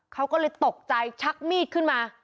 เขาก็เลยตกใจชักมีดขึ้นมา